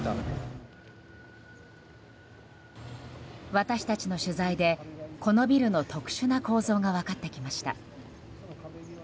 私たちの取材でこのビルの特殊な構造が分かってきました。